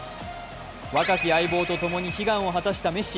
若き相棒とともに悲願を果たしたメッシ。